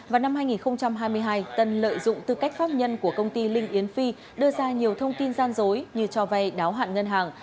vào năm hai nghìn hai mươi hai tân lợi dụng tư cách pháp nhân của công ty linh yến phi đưa ra nhiều thông tin gian dối như cho vay đáo hạn ngân hàng